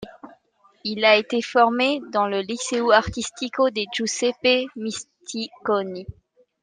Il a été formé dans le Liceo Artistico de Giuseppe Misticoni.